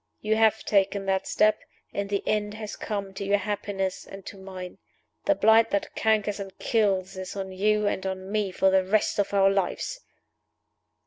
You have taken that step and the end has come to your happiness and to mine. The blight that cankers and kills is on you and on me for the rest of our lives!"